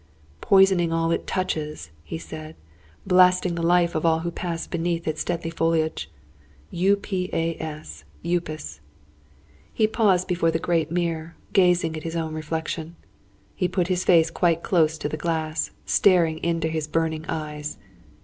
"Poisoning all it touches," he said. "Blasting the life of all who pass beneath its deadly foliage U,P,A,S Upas." He paused before the great mirror, gazing at his own reflection. He put his face quite close to the glass, staring into his burning eyes.